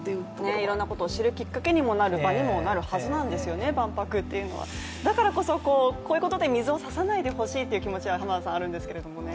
いろんなことを知るきっかけにもなるはずなんですよね、万博というのは、だからこそ、こういうことで水を差さないでほしいというのはあるんですけどね。